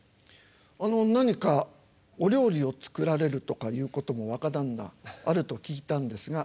あの何かお料理を作られるとかいうことも若旦那あると聞いたんですが。